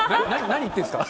何言ってるんですか？